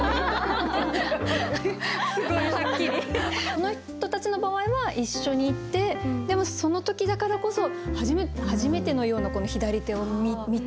この人たちの場合は一緒に行ってでもその時だからこそ初めてのような左手を見た。